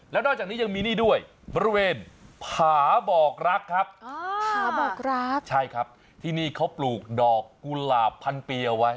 แล้วนอกจากนี้ยังมีนี่ด้วยบริเวณผาบอกรักครับผาบอกรักใช่ครับที่นี่เขาปลูกดอกกุหลาบพันปีเอาไว้